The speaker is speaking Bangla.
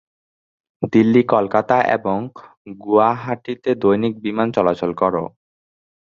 দিল্লী, কলকাতা এবং গুয়াহাটিতে দৈনিক বিমান চলাচল কর।